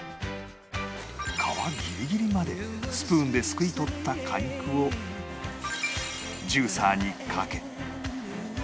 皮ギリギリまでスプーンですくい取った果肉をジューサーにかけ